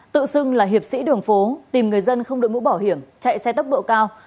tự xưng là hiệp sĩ đường phố tìm người dân không đội mũ bảo hiểm chạy xe tốc độ cao